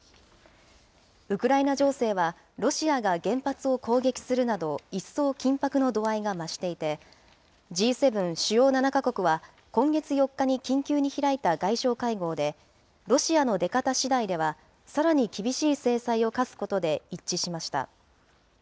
ウクライナ情勢は、ロシアが原発を攻撃するなど一層緊迫の度合いが増していて、Ｇ７・主要７か国は今月４日に緊急に開いた外相会合で、ロシアの出方しだいでは、さらに厳しい制裁を科すことで一致しました。